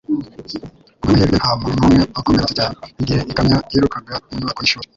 Ku bw'amahirwe nta muntu numwe wakomeretse cyane igihe ikamyo yirukaga mu nyubako y'ishuri.